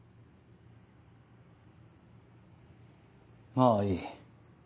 まぁいい。